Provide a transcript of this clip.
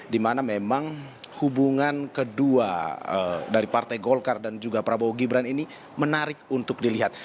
dimana memang hubungan kedua dari partai golkar dan juga prabowo gibran ini menarik untuk dilihat